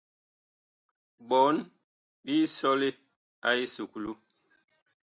Bɔɔn big sɔle a esuklu.